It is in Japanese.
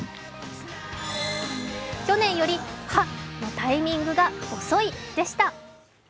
去年より「ハッ！」のタイミングが遅いでした。